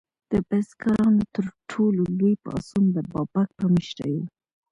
د بزګرانو تر ټولو لوی پاڅون د بابک په مشرۍ و.